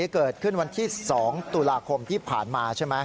เกิดขึ้นวันที่๒ตุลาคมที่ผ่านมาใช่ไหม